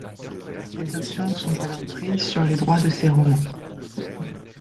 Des options sont alors prises sur les droits de ses romans.